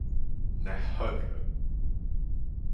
Nej, hör du!